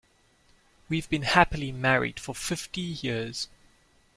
We've been happily married for fifty years.